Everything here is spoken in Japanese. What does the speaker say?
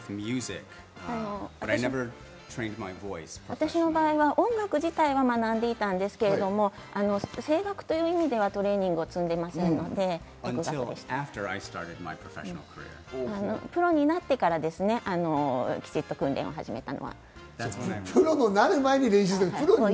私の場合は音楽自体は学んでいたんですけれど、声楽という意味ではトレーニングを積んでいませんので、プロになってから、きちっと訓練を始めました。